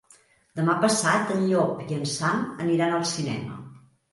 Demà passat en Llop i en Sam aniran al cinema.